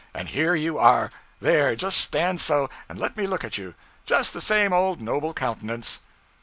And here you are! there, just stand so, and let me look at you! just the same old noble countenance.'